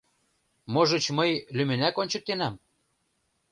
Можыч, мый лӱмынак ончыктенам?